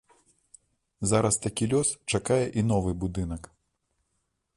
Зараз такі лёс чакае і новы будынак.